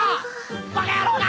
バカ野郎が！！